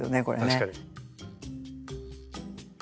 確かに。